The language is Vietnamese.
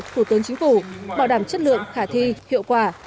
thủ tướng chính phủ bảo đảm chất lượng khả thi hiệu quả